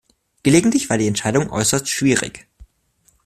Gelegentlich war die Entscheidung äußerst schwierig.